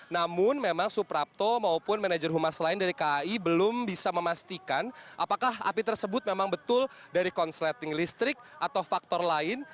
namun memang suprapto maupun manajer humas lain dari kai belum bisa memastikan apakah api tersebut memang betul dari konsleting listrik atau faktor lain